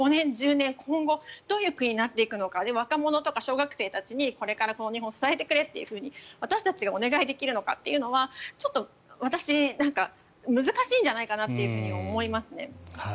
今後どういう国になっていのか若者とか小学生たちにこれから日本を支えてくれって私たちがお願いできるのかというのはちょっと難しいんじゃないかなと思いますね。